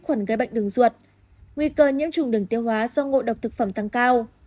khuẩn gây bệnh đường ruột nguy cơ nhiễm trùng đường tiêu hóa do ngộ độc thực phẩm tăng cao